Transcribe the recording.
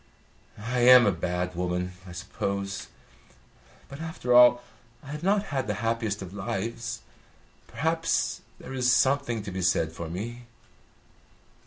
"I am a bad woman, I suppose. But after all, I have not had the happiest of lives. Perhaps there is something to be said for me."